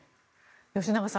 吉永さん